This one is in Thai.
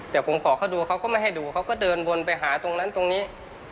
แต่ผมขอเขาดูเขาก็ไม่ให้ดูเขาก็เดินวนไปหาตรงนั้นตรงนี้